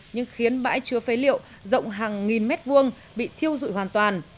nhưng khiến bãi chứa phế liệu rộng hàng nghìn mét vuông bị thiêu dụi hoàn toàn